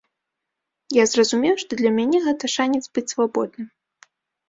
Я зразумеў, што для мяне гэта шанец быць свабодным.